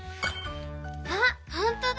あほんとだ！